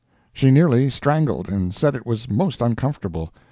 She nearly strangled, and said it was most uncomfortable.